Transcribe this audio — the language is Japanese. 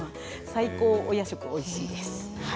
最高お夜食、おいしいです。